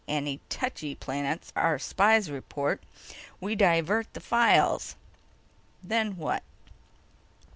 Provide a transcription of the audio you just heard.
Any touchy planets our spies report, we divert the files." "Then what?"